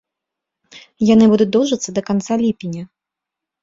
Яны будуць доўжыцца да канца ліпеня.